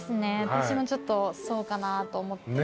私もちょっとそうかなと思って。